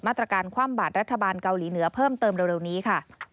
มาตรการคว่ำบาดรัฐบาลเกาหลีเหนือเพิ่มเติมเร็วนี้ค่ะ